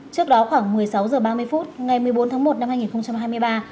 trước đó khoảng một mươi sáu h ba mươi phút ngày một mươi bốn tháng một năm hai nghìn hai mươi ba